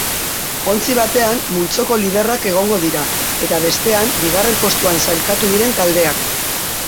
Ontzi batean multzoko liderrak egongo dira eta bestean bigarren postuan sailkatu diren taldeak.